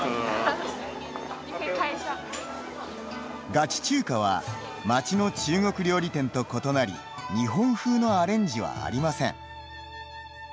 ガチ中華は町の中国料理店と異なり日本風のアレンジはありません。